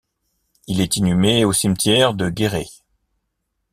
Il est inhumé au cimetière de Guéret.